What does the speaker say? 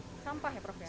sampah ya prof ya